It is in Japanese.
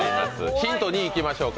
ヒント２にいきましょうか。